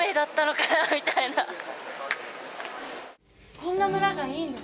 こんな村がいいんです。